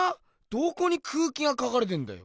どこに空気が描かれてんだよ。